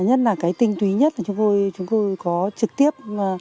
nhất là cái tinh túy nhất là chúng tôi có trực tiếp